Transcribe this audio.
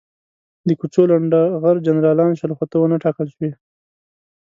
د کوڅو لنډه غر جنرالان شول، خو ته ونه ټاکل شوې.